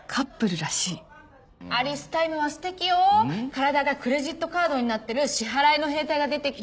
体がクレジットカードになってる支払いの兵隊が出てきて。